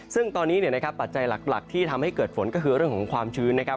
ซึ่งตอนนี้นะครับปัจจัยหลักที่ทำให้เกิดฝนก็คือเรื่องของความชื้นนะครับ